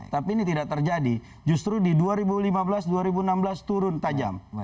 tapi ini tidak terjadi justru di dua ribu lima belas dua ribu enam belas turun tajam